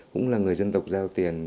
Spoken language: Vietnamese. cũng là người giao tiền